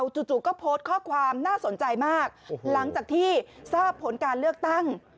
จู่ก็โพสต์ข้อความน่าสนใจมากหลังจากที่ทราบผลการเลือกตั้ง